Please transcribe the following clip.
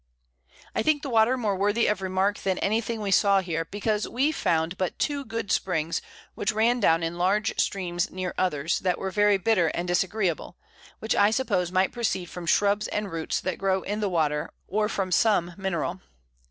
I think the Water more worthy of Remark than any thing we saw here, because we found but two good Springs, which ran down in large Streams near others, that were very bitter and disagreeable, which I suppose might proceed from Shrubs and Roots that grow in the Water, or from some Mineral.